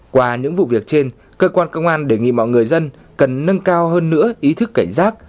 qua những vụ việc trên cơ quan công an đề nghị mọi người dân cần nâng cao hơn nữa ý thức cảnh giác